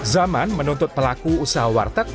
zaman menuntut pelaku usaha warteg